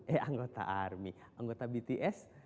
eh anggota army anggota bts